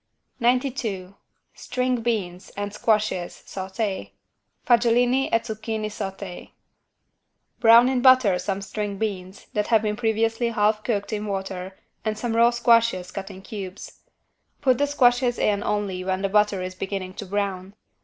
92 STRING BEANS AND SQUASHES SAUTÉ (Fagiolini e zucchini sauté) Brown in butter some string beans, that have been previously half cooked in water and some raw squashes cut in cubes. Put the squashes in only when the butter is beginning to brown.